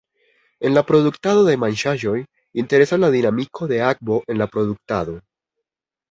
En la produktado de manĝaĵoj, interesas la dinamiko de akvo en la produktado.